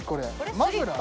マフラー？